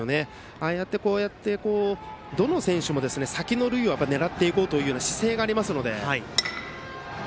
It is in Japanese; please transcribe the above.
ああやって、どの選手も先の塁を狙っていこうという姿勢がありますので。